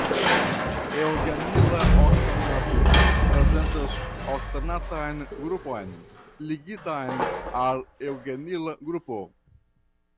Eŭgenila oktanato prezentas oktanatan grupon ligitan al eŭgenila grupo.